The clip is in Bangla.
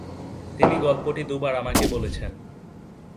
তিনি গল্পটি দুবার আমাকে বলেছেন।